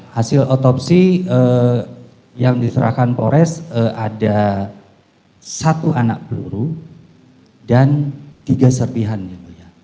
hasil otopsi yang diserahkan pores ada satu anak peluru dan tiga serpihan yang mulia